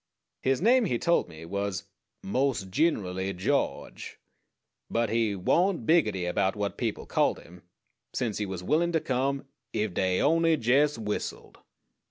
His name, he told me, was "mos' gin'rally George"; but he "warn't biggetty" about what people called him, since he was willin' to come "ef dey on'y jes' whistled."